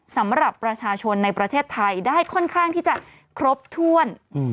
สำหรับประชาชนในประเทศไทยได้ค่อนข้างที่จะครบถ้วน